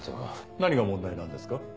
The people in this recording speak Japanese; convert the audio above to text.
何が問題なんですか？